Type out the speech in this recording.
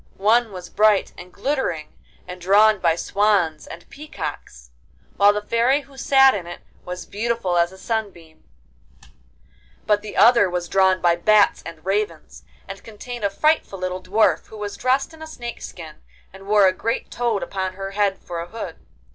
One was bright and glittering, and drawn by swans and peacocks, while the Fairy who sat in it was beautiful as a sunbeam; but the other was drawn by bats and ravens, and contained a frightful little Dwarf, who was dressed in a snake's skin, and wore a great toad upon her head for a hood.